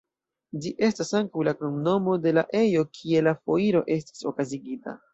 Ĝi estas ankaŭ la kromnomo de la ejo kie la foiro estis okazigita.